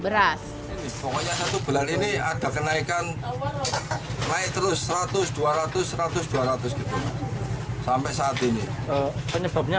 langkaan beras ini ada kenaikan naik terus seratus dua ratus seratus dua ratus sampai saat ini penyebabnya